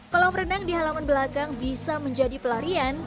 kolam renang di halaman belakang bisa menjadi pelarian